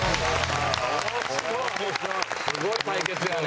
すごい対決やね。